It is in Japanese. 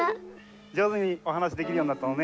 上手にお話しできるようになったのね。